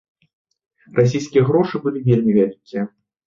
Расійскія грошы былі вельмі вялікія.